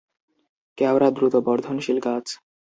কেওড়া দ্রুত বর্ধনশীল গাছ।